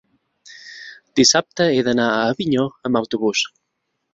dissabte he d'anar a Avinyó amb autobús.